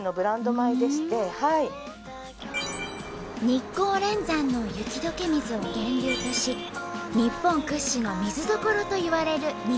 日光連山の雪解け水を源流とし日本屈指の水どころといわれる日光市。